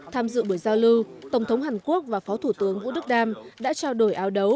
tham dự buổi giao lưu tổng thống hàn quốc và phó thủ tướng vũ đức đam đã trao đổi áo đấu